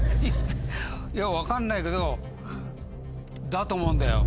いや分かんないけどだと思うんだよ。